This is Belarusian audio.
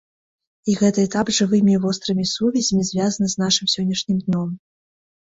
І гэты этап жывымі і вострымі сувязямі звязаны з нашым сённяшнім днём.